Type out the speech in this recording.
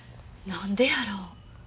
何でやろ。